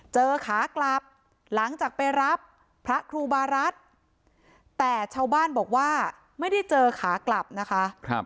ขากลับหลังจากไปรับพระครูบารัฐแต่ชาวบ้านบอกว่าไม่ได้เจอขากลับนะคะ